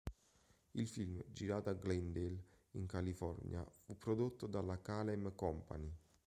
Il film, girato a Glendale, in California, fu prodotto dalla Kalem Company.